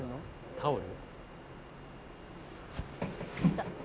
タオル。